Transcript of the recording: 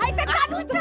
ay tetap cari kamu